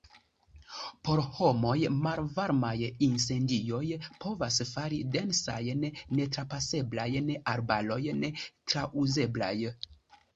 Por homoj, malvarmaj incendioj povas fari densajn, netrapaseblajn arbarojn trauzeblaj.